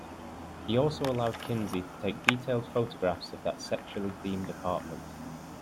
He also allowed Kinsey to take detailed photographs of that sexually-themed apartment.